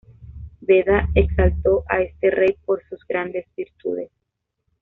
Beda exaltó a este rey por sus grandes virtudes.